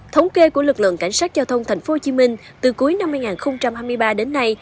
thống kê của lực lượng cảnh sát giao thông tp hcm từ cuối năm hai nghìn hai mươi ba đến nay